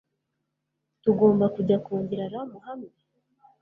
Tugomba kujya kongera ramen hamwe?